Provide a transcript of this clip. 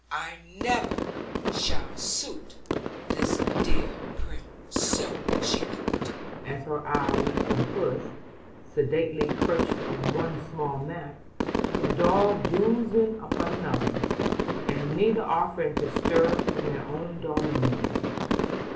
"I never shall suit this dear prim soul," she thought, as her eye went from Puss, sedately perched on one small mat, to the dog dozing upon another, and neither offering to stir from their own dominions.